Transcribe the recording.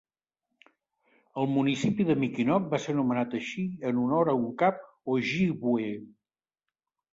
El municipi de Mickinock va ser anomenat així en honor a un cap ojibwe.